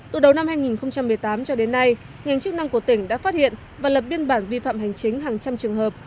từ đầu năm hai nghìn một mươi tám cho đến nay ngành chức năng của tỉnh đã phát hiện và lập biên bản vi phạm hành chính hàng trăm trường hợp